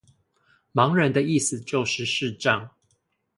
盲人的意思就是視障